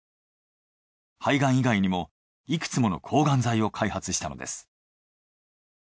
肺がん以外にもいくつもの抗がん剤を開発したのです。